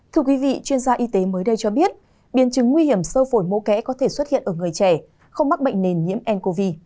thưa quý vị chuyên gia y tế mới đây cho biết biến chứng nguy hiểm sâu phổi mô kẽ có thể xuất hiện ở người trẻ không mắc bệnh nền nhiễm ncov